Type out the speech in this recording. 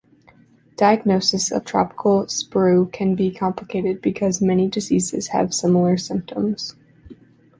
Diagnosis of tropical sprue can be complicated because many diseases have similar symptoms.